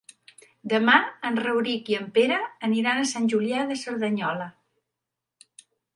Demà en Rauric i en Pere aniran a Sant Julià de Cerdanyola.